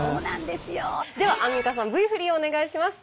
ではアンミカさんＶ振りをお願いします。